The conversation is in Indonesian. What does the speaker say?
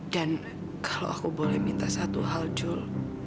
dan kalau aku boleh minta satu hal jul